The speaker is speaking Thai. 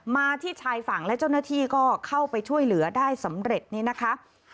มาที่ชายฝั่งและเจ้าหน้าที่ก็เข้าไปช่วยเหลือได้สำเร็จนี่นะคะ